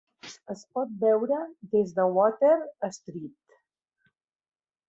Es pot veure des de Water Street.